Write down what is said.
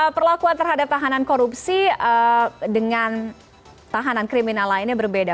perlakuan terhadap tahanan korupsi dengan tahanan kriminal lainnya berbeda